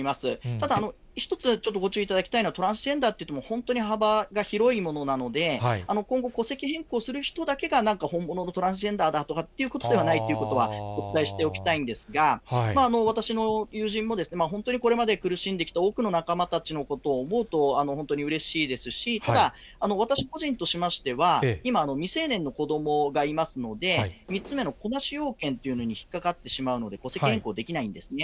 ただ、一つちょっとご注意いただきたいのは、トランスジェンダーといっても、本当に幅が広いものなので、今後、戸籍変更する人だけがなんか本物のトランスジェンダーだということではないということは、お伝えしておきたいんですが、私の友人も、本当にこれまで苦しんできた多くの仲間たちのことを思うと、本当にうれしいですし、ただ、私個人としましては、今、未成年の子どもがいますので、３つ目の子なし要件っていうのを引っ掛かってしまうので、戸籍変更できないんですね。